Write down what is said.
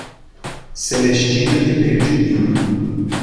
Celestina Ribeiro de Lima